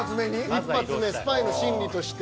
一発目スパイの心理として。